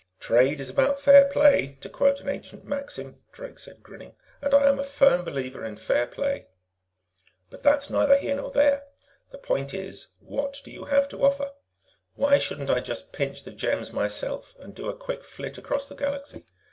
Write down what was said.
"Trade about is fair play, to quote an ancient maxim," Drake said, grinning. "And I am a firm believer in fair play. "But that's neither here nor there. The point is: what do you have to offer? Why shouldn't I just pinch the gems myself and do a quick flit across the Galaxy?